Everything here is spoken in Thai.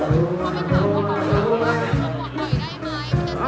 เขาไม่ถามว่าเขาถามว่า